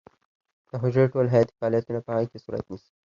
د حجرې ټول حیاتي فعالیتونه په هغې کې صورت نیسي.